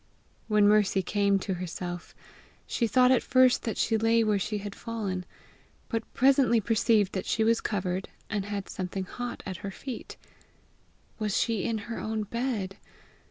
When Mercy came to herself, she thought at first that she lay where she had fallen, but presently perceived that she was covered, and had something hot at her feet: was she in her own bed?